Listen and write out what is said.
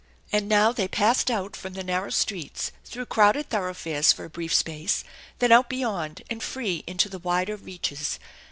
And now they passed out from the narrow streets, through crowded thoroughfares for a brief space, then out beyond, ar.d free, into the wider reaches.